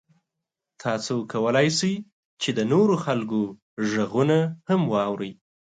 تاسو کولی شئ د نورو خلکو غږونه هم واورئ.